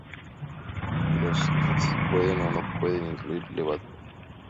Los kits pueden o no pueden incluir levadura.